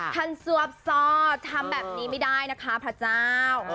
ท่านซวบซ่อทำแบบนี้ไม่ได้นะคะพระเจ้า